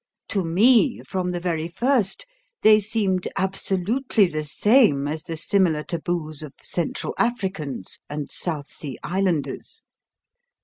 To me, from the very first, they seemed absolutely the same as the similar taboos of Central Africans and South Sea Islanders.